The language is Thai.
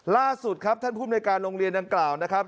ล่าสุดครับท่านภูมิในการโรงเรียนดังกล่าวนะครับ